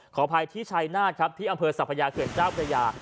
ขออภัยที่ชัยนาธครับที่อำเภอสัพยาเขื่อนเจ้าพระยา